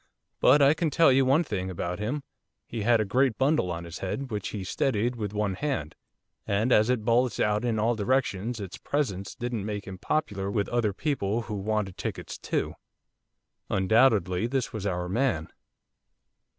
But I can tell you one thing about him, he had a great bundle on his head, which he steadied with one hand, and as it bulged out in all directions its presence didn't make him popular with other people who wanted tickets too.' Undoubtedly this was our man.